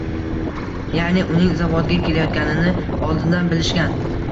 Ya’ni uning zavodga kelayotganini oldindan bilishgan.